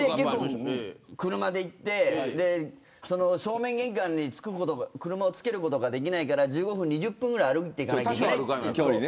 車で行って正面玄関に車をつけることができないから１５分２０分ぐらい歩いて行かなきゃいけないっていう。